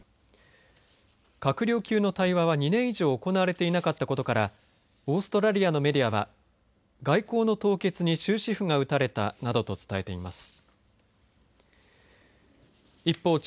閣僚級の対話は２年以上行われていなかったことからオーストラリアのメディアは外交の凍結に終止符が打たれたなどと伝えています。